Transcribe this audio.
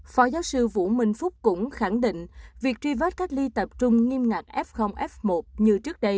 phó giáo sư vũ minh phúc cũng khẳng định việc tri vết cách ly tập trung nghiêm ngạc f f một như trước đây